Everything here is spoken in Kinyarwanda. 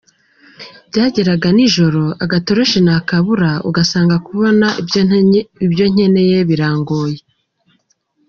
Byageraga nijoro agatoroshi nakabura ugasanga kubona ibyo nkeneye birangoye.